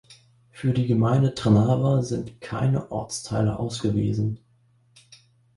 Für die Gemeinde Trnava sind keine Ortsteile ausgewiesen.